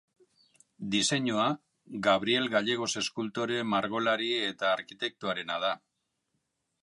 Diseinua, Gabriel Gallegos eskultore, margolari eta arkitektoarena da.